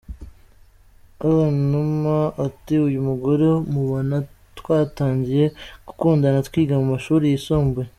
Alain Numa ati 'Uyu mugore mubona twatangiye gukundana twiga mu mashuri yisumbuye'.